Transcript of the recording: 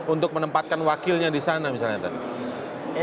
untuk menempatkan wakilnya di sana misalnya tadi